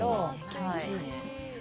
気持ちいいね。